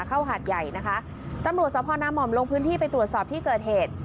หาดใหญ่นะคะตำรวจสพนาม่อมลงพื้นที่ไปตรวจสอบที่เกิดเหตุ